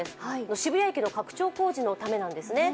渋谷駅の拡張工事のためなんですね。